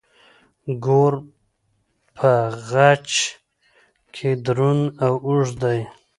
ګور په خج کې دروند او اوږد دی.